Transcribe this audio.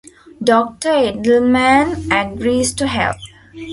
Doctor Edelmann agrees to help.